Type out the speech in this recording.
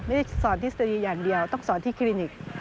ไม่ได้สอนทฤษฎีอย่างเดียวต้องสอนที่คลินิก